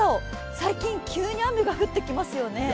最近、急に雨が降ってきますよね。